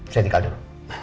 saya tinggal dulu